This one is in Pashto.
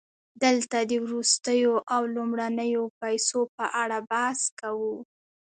دلته د وروستیو او لومړنیو پیسو په اړه بحث کوو